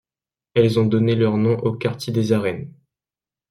Elles ont donné leur nom au quartier des Arènes.